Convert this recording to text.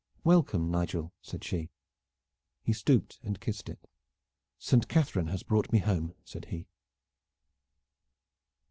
"Welcome, Nigel!" said she. He stooped and kissed it. "Saint Catharine has brought me home," said he.